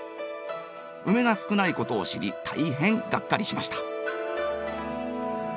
ウメが少ないことを知り大変がっかりしました。